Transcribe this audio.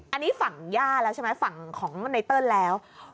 อันนี้ฝั่งย่าแล้วใช่ไหมฝั่งของไนเติ้ลแล้ว